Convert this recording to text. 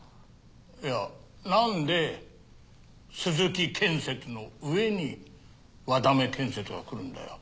いやなんで鈴木建設の上に和田目建設がくるんだよ。